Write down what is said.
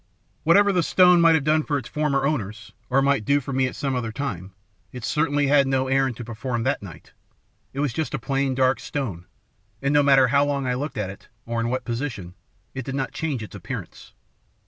"Whatever the stone might have done for its former owners, or might do for me at some other time, it certainly had no errand to perform that night. It was just a plain, dark stone, and no matter how long I looked at it, or in what position, it did not change its appearance.